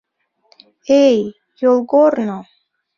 Эй, Йолгорно